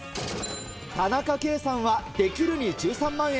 田中圭さんは「できる」に１３万円。